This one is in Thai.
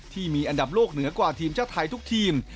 ที่มีอันดับโลกเหนือกว่าทีมชาติไทยทุกทีม